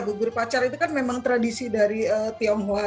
bubur pacar itu kan memang tradisi dari tionghoa